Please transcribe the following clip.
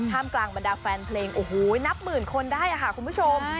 มกลางบรรดาแฟนเพลงโอ้โหนับหมื่นคนได้ค่ะคุณผู้ชม